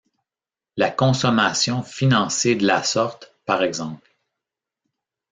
La consommation financée de la sorte, par ex.